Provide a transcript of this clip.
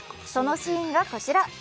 そのシーンがこちら。